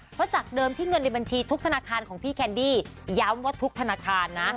เพราะจากเดิมที่เงินในบัญชีทุกธนาคารของพี่แคนดี้ย้ำว่าทุกธนาคารนะ